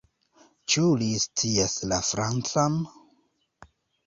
Ĉu li scias la Francan?